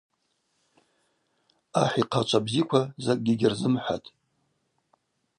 Ахӏ йхъачва бзиква закӏгьи гьырзымхӏватӏ.